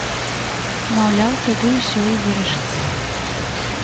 Маўляў, тады ўсё і вырашыцца.